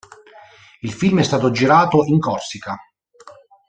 Il film è stato girato in Corsica.